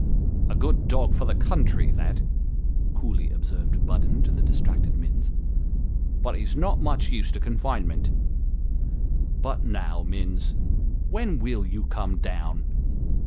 " A good dog for the country that !" coolly observed Budden to the distracted Minns, " but he's not much used to confinement. But now, Minns, when will you come down